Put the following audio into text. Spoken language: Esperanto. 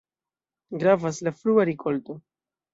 Gravas la frua rikolto.